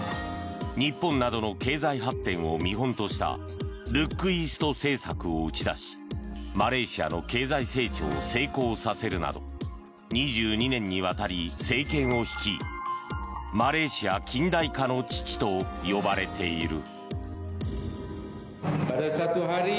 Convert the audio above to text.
日本などの経済発展を見本としたルックイースト政策を打ち出しマレーシアの経済成長を成功させるなど２２年にわたり政権を率いマレーシア近代化の父と呼ばれている。